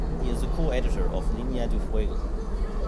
He is the coeditor of ‘Línea de fuego’.